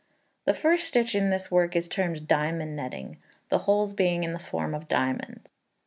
The first stitch in this work is termed diamond netting, the holes being in the form of diamonds.